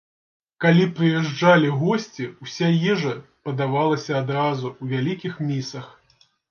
Калі прыязджалі госці, уся ежа падавалася адразу, у вялікіх місах.